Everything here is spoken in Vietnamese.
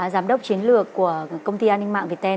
giám đốc chiến lược của công ty an ninh mạng viettel